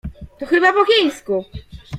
To chyba po chińsku!